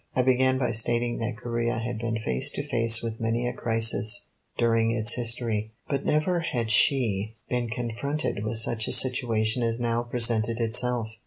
I began by stating that Corea had been face to face with many a crisis during its history, but never had she been confronted with such a situation as now presented itself.